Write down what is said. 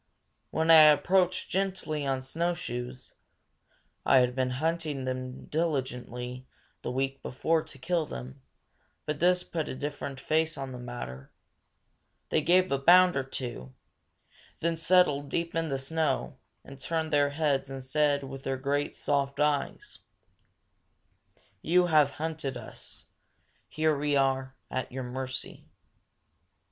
When I approached gently on snowshoes (I had been hunting them diligently the week before to kill them; but this put a different face on the matter) they gave a bound or two, then settled deep in the snow, and turned their heads and said with their great soft eyes: "You have hunted us. Here we are, at your mercy."